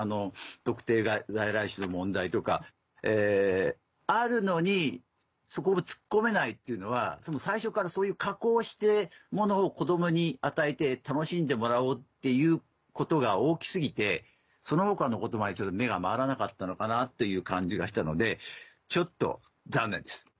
特定外来種の問題とかあるのにそこを突っ込めないっていうのは最初からそういう加工をしてものを子供に与えて楽しんでもらおうっていうことが大き過ぎてその他のことまで目が回らなかったのかなという感じがしたのでちょっと残念です。